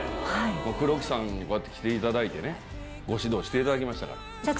黒木さんに来ていただいてご指導していただきましたから。